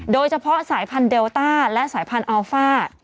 โดยเฉพาะสายพันธุเดลต้าและสายพันธุ์อัลฟ่า